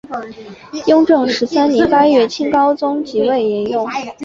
雍正十三年八月清高宗即位沿用。